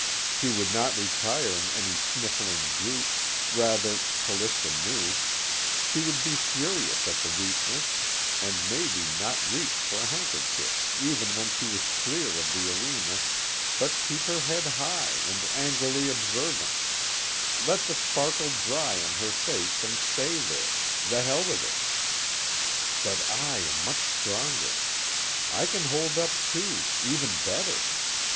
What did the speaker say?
She would not retire in any sniffling droop: rather, Callista knew, she would be furious at the weakness, and maybe not reach for a handkerchief even when she was clear of the arena but keep her head high and angrily observant, let the sparkle dry on her face and stay there, the hell with it. _But I am much stronger. I can hold up too, even better.